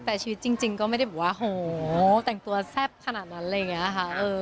พอใช่มาชีวิตจริงก็ไม่ได้บอกว่าโอ้โหแต่งตัวแซ่บขนาดนั้มอะไรแบบนี้นะคะ